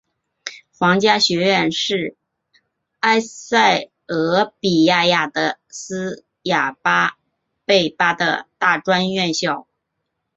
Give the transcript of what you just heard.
皇家学院是埃塞俄比亚亚的斯亚贝巴的大专院校。